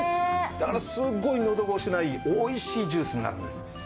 だからすごいのど越しがいいおいしいジュースになるんです。